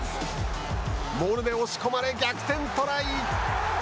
モールで押し込まれ逆転トライ！